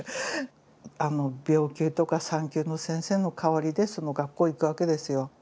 病気とか産休の先生の代わりでその学校へ行くわけですよ。